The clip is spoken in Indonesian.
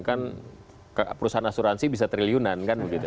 kan perusahaan asuransi bisa triliunan